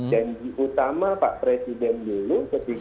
dan diutama pak presiden dulu